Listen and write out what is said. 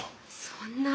そんな。